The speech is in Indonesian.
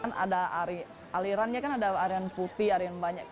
kan ada alirannya kan ada ariran putih ariran banyak